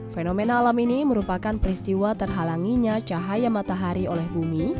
fenomena alam ini merupakan peristiwa terhalanginya cahaya matahari oleh bumi